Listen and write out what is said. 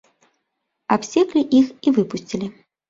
Абсеклі іх і выпусцілі.